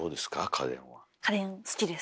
家電好きです。